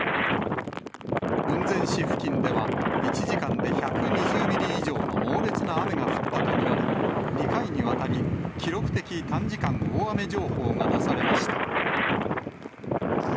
雲仙市付近では、１時間で１２０ミリ以上の猛烈な雨が降ったと見られ、２回にわたり、記録的短時間大雨情報が出されました。